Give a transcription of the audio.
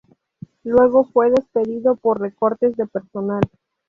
Luego fue despedido por recortes de personal.